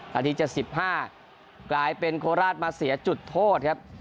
นาที๗๕กลายเป็นโคราชมาเสียจุดโทษครับ